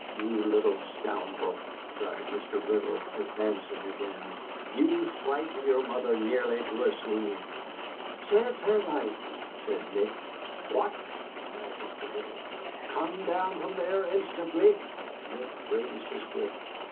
You little scoundrel," cried Mr. Riddle, advancing again, "you've frightened your mother nearly to a swoon." "Serves her right," said Nick. "What!" cried Mr. Riddle. "Come down from there instantly." Nick raised his whip.